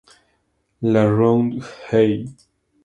La Ronde-Haye